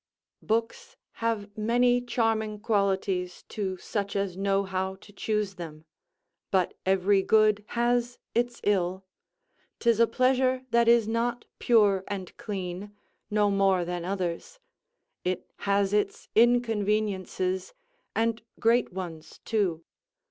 Books have many charming qualities to such as know how to choose them; but every good has its ill; 'tis a pleasure that is not pure and clean, no more than others: it has its inconveniences, and great ones too.